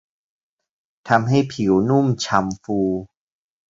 ทำให้ผิวนุ่มฉ่ำฟู